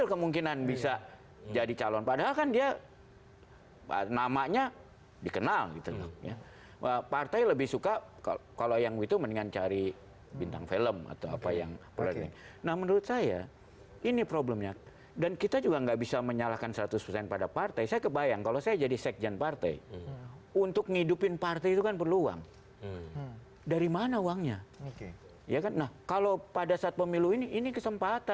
kepala kepala kepala kepala kepala kepala likes